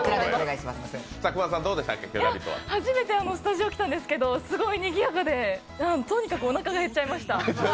初めてスタジオ来たんですけどすごいにぎやかでとにかくおなかがへっちゃいました。